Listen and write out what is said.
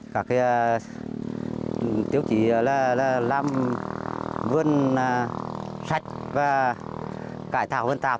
các tiếu chỉ là làm vườn sạch và cải tạo vườn tạp